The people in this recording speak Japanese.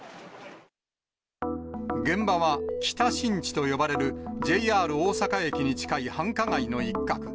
現場は、北新地と呼ばれるＪＲ大阪駅に近い繁華街の一角。